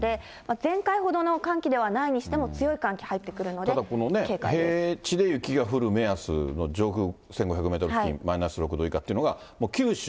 前回ほどの寒気ではないにしても、ただ、このね、平地で雪が降る目安の上空１５００メートル付近、マイナス６度以下というのが、もう九州。